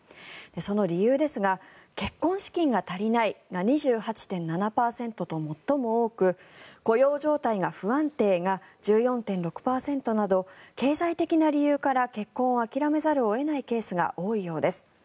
その理由ですが結婚資金が足りないが２８．７％と最も多く雇用状態が不安定が１４．６％など経済的な理由から結婚を諦めざるを得ないケースが多いようです。